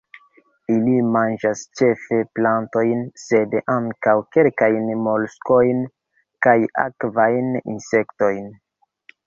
Ili manĝas ĉefe plantojn, sed ankaŭ kelkajn moluskojn kaj akvajn insektojn.